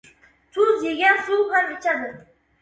• Tuz yegan suv ham ichadi.